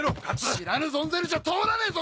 知らぬ存ぜぬじゃ通らねえぞ！